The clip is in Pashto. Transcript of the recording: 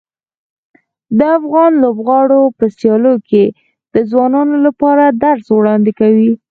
د افغان لوبغاړو په سیالیو کې د ځوانانو لپاره د درس وړاندې کوي.